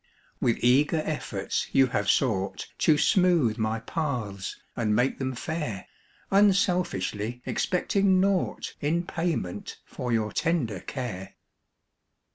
% W ITH eager efforts you Have sougkt To smootk my paths and make them fair, Unselfiskly expect 5 mg naugkt In payment for your tender care.